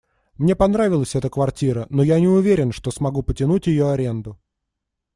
Мне понравилась эта квартира, но я не уверен, что смогу потянуть её аренду.